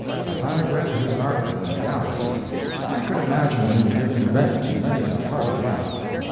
As I read his article in THE GALAXY, I could imagine him giving vent to many a hearty laugh.